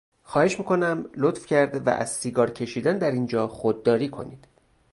خواهش میکنم لطف کرده و از سیگار کشیدن در اینجا خودداری کنید.